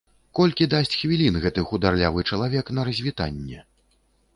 Колькі дасць хвілін гэты хударлявы чалавек на развітанне?